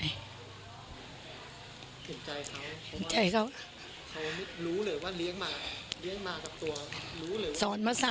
เห็นใจเขาเพราะว่าเขารู้เลยว่าเลี้ยงมากับตัว